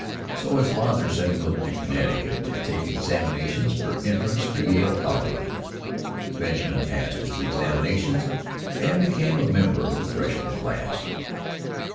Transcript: So his father sent him up to Connecticut to take examinations for entrance to Yale College. Benjamin passed his examination and became a member of the freshman class.